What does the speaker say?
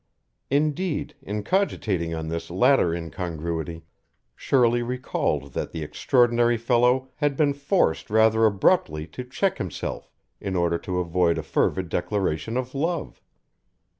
Indeed, in cogitating on this latter incongruity, Shirley recalled that the extraordinary fellow had been forced rather abruptly to check himself in order to avoid a fervid declaration of love!